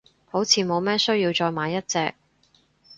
好似冇咩需要再買一隻，